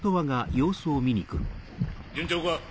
順調か？